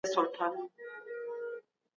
د خپل تاريخ په اړه معلومات ترلاسه کړئ.